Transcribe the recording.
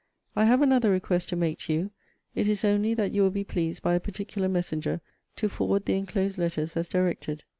I have another request to make to you; it is only, that you will be pleased, by a particular messenger, to forward the enclosed letters as directed.